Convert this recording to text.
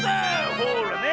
ほらね！